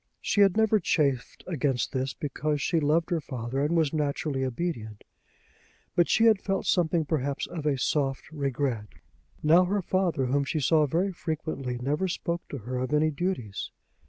She had never chafed against this because she loved her father and was naturally obedient; but she had felt something perhaps of a soft regret. Now her father, whom she saw very frequently, never spoke to her of any duties.